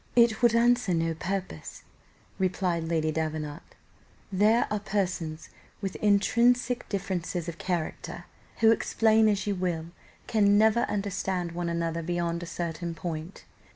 "It would answer no purpose," replied Lady Davenant; "there are persons with intrinsic differences of character, who, explain as you will, can never understand one another beyond a certain point.